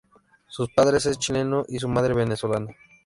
Su padre es chileno y su madre, venezolana.